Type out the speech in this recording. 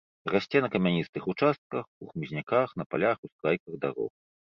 Расце на камяністых участках, у хмызняках, на палях, ускрайках дарог.